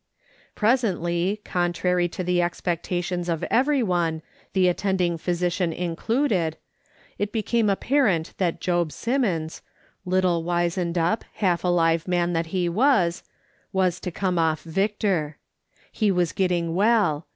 Presently, contrary to the expectations of everyone, the attending physician included, it became apparent that Job Simmons — little wizened up, half alive man that he was — was to come off victor. He was getting well.